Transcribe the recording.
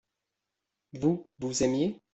vous, vous aimiez.